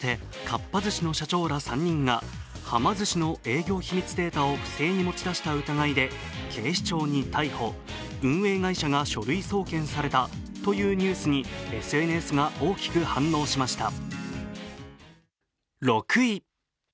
かっぱ寿司の社長ら３人がはま寿司の営業秘密データを不正に持ち出した疑いで警視庁に逮捕、運営会社が書類送検されたというニュースにＳＮＳが大きく反応しました。